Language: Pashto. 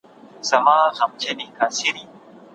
که مسلکي کادرونه موجود وای نو اقتصادي ستونزې به نه وې.